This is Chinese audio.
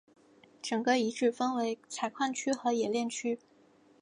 整个遗址分为采矿区和冶炼区。